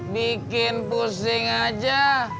bikin pusing aja